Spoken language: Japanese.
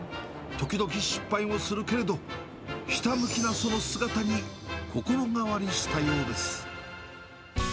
時々失敗もするけれど、ひたむきなその姿に、心変わりしたようです。